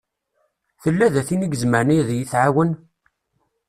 Tella da tin i izemren ad yi-tɛawen?